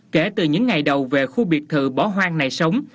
kể từ những ngày đầu về khu biệt thự bỏ hoang này sống